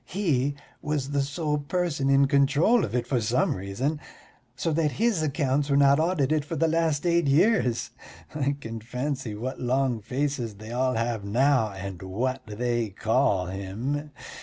He was the sole person in control of it for some reason, so that his accounts were not audited for the last eight years. I can fancy what long faces they all have now, and what they call him.